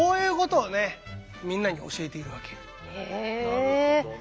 なるほどね。